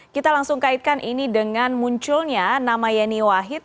kita langsung kaitkan ini dengan munculnya nama yeni wahid